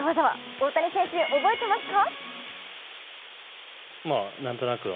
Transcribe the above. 大谷選手、覚えてますか。